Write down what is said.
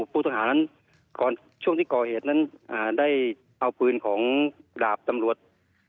ผู้ต้องหานั้นช่วงที่ก่อเหตุนั้นได้เอาปืนของดาบตำรวจ